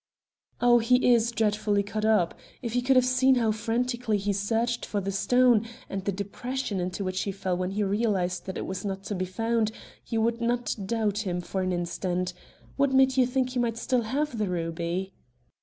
"Oh, he is dreadfully cut up. If you could have seen how frantically he searched for the stone, and the depression into which he fell when he realized that it was not to be found, you would not doubt him for an instant. What made you think he might still have the ruby?"